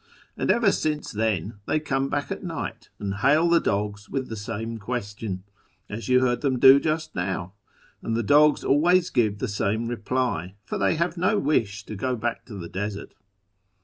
And ever since then they come back at night and hail the dogs with the same question, as you heard them do just now ; and the dogs always give the same reply, for they have no wish to go back to the desert.